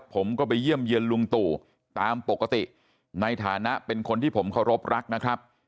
ผมก็ไปเยี่ยมเยี่ยนลุงตู่ตามปกติในฐานะเป็นคนที่ผมเคารพรักนะครับ